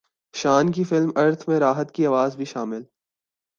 شان کی فلم ارتھ میں راحت کی اواز بھی شامل